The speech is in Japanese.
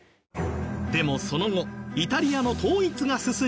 でもその後イタリアの統一が進み